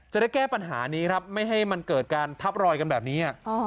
จะได้แก้ปัญหานี้ครับไม่ให้มันเกิดการทับรอยกันแบบนี้